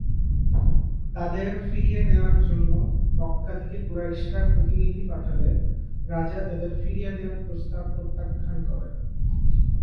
তাদের ফিরিয়ে নেয়ার জন্য মক্কা থেকে কুরাইশরা প্রতিনিধি পাঠালে রাজা তাদের ফিরিয়ে দেয়ার প্রস্তাব প্রত্যাখ্যান করেন।